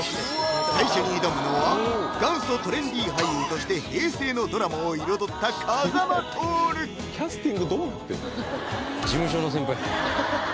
最初に挑むのは元祖トレンディ俳優として平成のドラマを彩った風間トオルキャスティングどうなってんの？